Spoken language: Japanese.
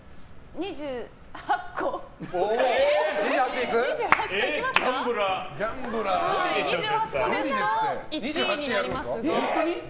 ２８個ですと１位になりますが。